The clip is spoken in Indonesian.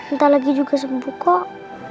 entah lagi juga sembuh kok